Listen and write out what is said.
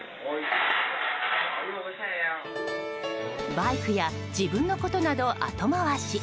バイクや自分のことなど後回し。